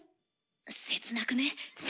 切なくね？